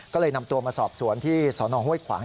ก็เลยนำตัวมาสอบสวนที่สนห้วยขวาง